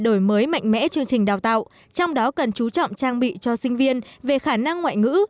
đổi mới mạnh mẽ chương trình đào tạo trong đó cần chú trọng trang bị cho sinh viên về khả năng ngoại ngữ